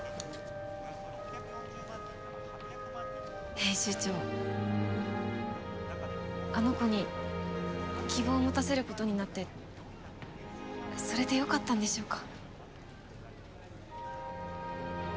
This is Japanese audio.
編集長あの子に希望を持たせることになってそれでよかったんでしょうか？